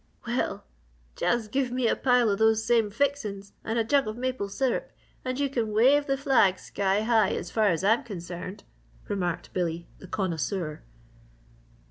"Well just give me a pile of those same 'fixin's' and a jug of maple syrup and you can wave the flag sky high as far as I'm concerned," remarked Billy, the connoisseur.